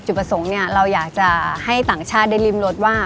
ประสงค์เนี่ยเราอยากจะให้ต่างชาติได้ริมรสว่า